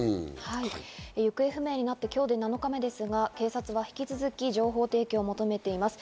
行方不明になって今日で７日目ですが、警察は引き続き情報提供を求めています。